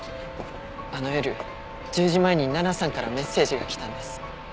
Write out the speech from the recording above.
あの夜１０時前に奈々さんからメッセージが来たんです。